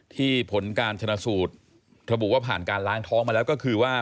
ผลการชนะสูตรระบุว่าผ่านการล้างท้องมาแล้วก็คือว่า